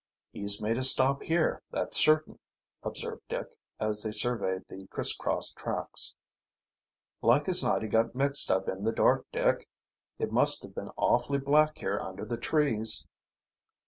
"He made a stop here, that's certain," observed Dick, as they surveyed the criss cross tracks. "Like as not he got mixed up in the dark, Dick. It must have been awfully black here under the trees."